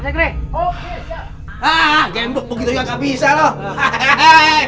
gembuk begitu juga gak bisa loh